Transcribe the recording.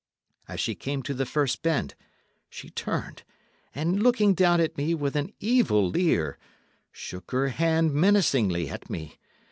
As she came to the first bend, she turned, and looking down at me with an evil leer, shook her hand menacingly at me.